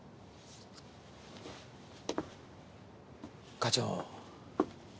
課長。